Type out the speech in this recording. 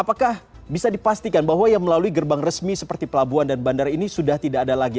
apakah bisa dipastikan bahwa yang melalui gerbang resmi seperti pelabuhan dan bandara ini sudah tidak ada lagi